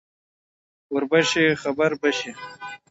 ـ وربشې خبر بشې.